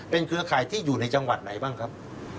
เครือข่ายที่อยู่ในจังหวัดไหนบ้างครับ